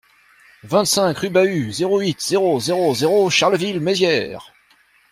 vingt-cinq rue Bahut, zéro huit, zéro zéro zéro Charleville-Mézières